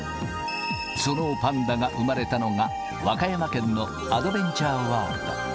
そのパンダが生まれたのが和歌山県のアドベンチャーワールド。